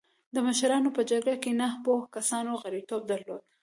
د مشرانو په جرګه کې نهه پوهو کسانو غړیتوب درلوده.